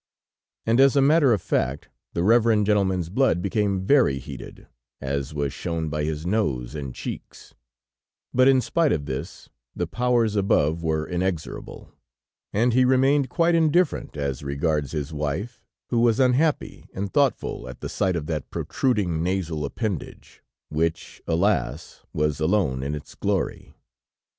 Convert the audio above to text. And, as a matter of fact, the reverend gentleman's blood became very heated, as was shown by his nose and cheeks, but in spite of this, the powers above were inexorable, and he remained quite indifferent as regards his wife, who was unhappy and thoughtful at the sight of that protruding nasal appendage, which, alas! was alone in its glory.